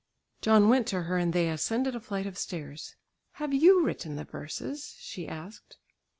John went to her and they ascended a flight of stairs. "Have you written the verses?" she asked.